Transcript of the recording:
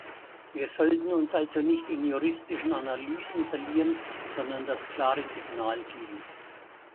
Wir sollten uns also nicht in juristischen Analysen verlieren, sondern das klare Signal geben.